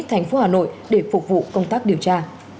thành phố hà nội để phục vụ công tác điều tra